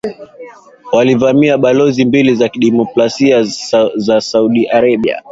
walivamia balozi mbili za kidiplomasia za Saudi Arabia